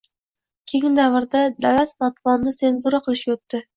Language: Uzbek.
Keyingi davrda davlat matbuotni senzura qilishga o‘tdi.